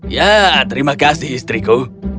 ya terima kasih istriku